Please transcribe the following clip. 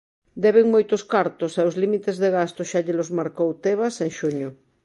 Deben moitos cartos e os límites de gasto xa llelos marcou Tebas en xuño.